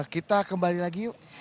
kita kembali lagi yuk